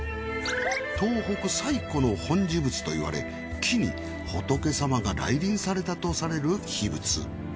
東北最古の本地仏といわれ木に仏様が来臨されたとされる秘仏。